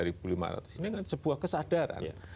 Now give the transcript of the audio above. ini kan sebuah kesadaran